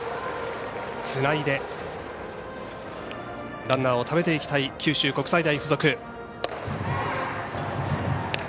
つないでランナーをためていきたい九州国際大付属。